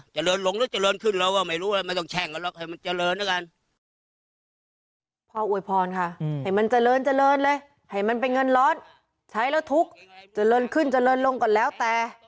เจริญขึ้นเจริญลงก่อนแล้วแต่